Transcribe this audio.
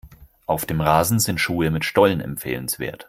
Auf dem Rasen sind Schuhe mit Stollen empfehlenswert.